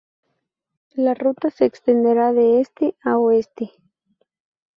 La ruta se extenderá de este a oeste.